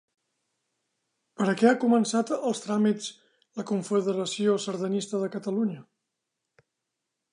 Per a què ha començat els tràmits la Confederació Sardanista de Catalunya?